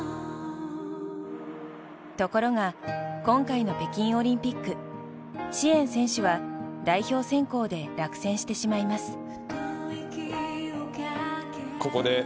ところが今回の北京オリンピック師円選手は代表選考で落選してしまいます。